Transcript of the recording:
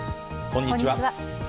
こんにちは。